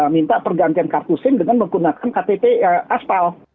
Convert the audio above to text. minta pergantian kartu sim dengan menggunakan ktp aspal